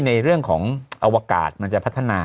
ในเรื่องของอวกาศมันจะพัฒนา